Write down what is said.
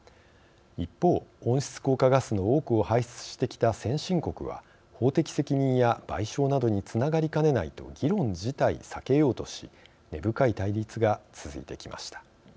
一方、温室効果ガスの多くを排出してきた先進国は法的責任や賠償などにつながりかねないと議論自体、避けようとし根深い対立が続いてきました。